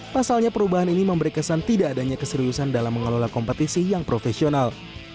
pasalnya perubahan ini memberi kesan tidak adanya keseriusan dalam mengelola kompetisi yang profesional